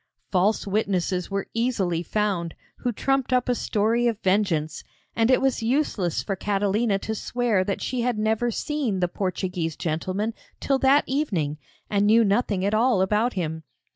False witnesses were easily found who trumped up a story of vengeance, and it was useless for Catalina to swear that she had never seen the Portuguese gentleman till that evening, and knew nothing at all about him.